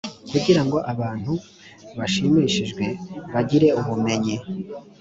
kugira ngo abantu bashimishijwe bagire ubumenyi